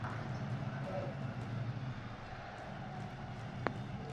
kuki ufata uwo muti